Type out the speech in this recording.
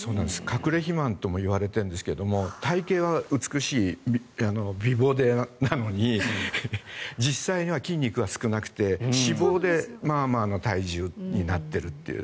隠れ肥満ともいわれているんですが体形は美しい美ぼうなのに実際には筋肉が少なくて脂肪でまあまあの体重になっているという。